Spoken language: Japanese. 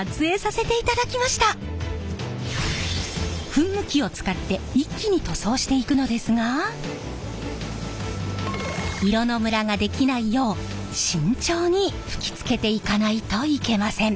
噴霧器を使って一気に塗装していくのですが色のムラができないよう慎重に吹きつけていかないといけません。